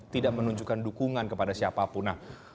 tidak menunjukkan dukungan kepada siapapun